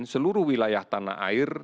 seluruh wilayah tanah air